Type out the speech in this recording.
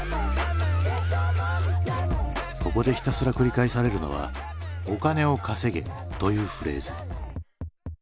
ここでひたすら繰り返されるのは「お金を稼げ」というフレーズ。